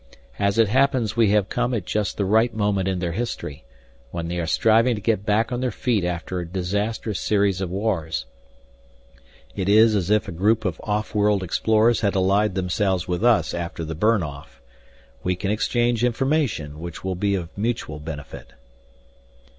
As it happens we have come at just the right moment in their history, when they are striving to get back on their feet after a disastrous series of wars. It is as if a group of off world explorers had allied themselves with us after the Burn Off. We can exchange information which will be of mutual benefit."